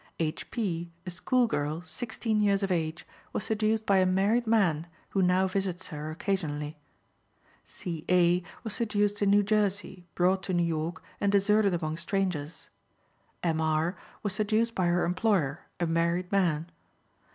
H. P., a school girl, sixteen years of age, was seduced by a married man who now visits her occasionally. C. A. was seduced in New Jersey, brought to New York, and deserted among strangers. M. R. was seduced by her employer, a married man.